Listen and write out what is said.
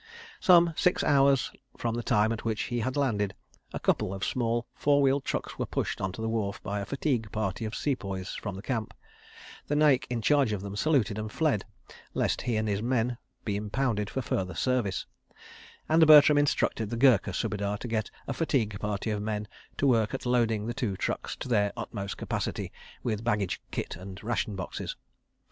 Some six hours from the time at which he had landed, a couple of small four wheeled trucks were pushed on to the wharf by a fatigue party of Sepoys from the camp; the Naik in charge of them saluted and fled, lest he and his men be impounded for further service; and Bertram instructed the Gurkha Subedar to get a fatigue party of men to work at loading the two trucks to their utmost capacity, with baggage, kit, and ration boxes.